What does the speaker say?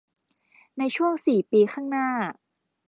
ในช่วงสี่ปีข้างหน้า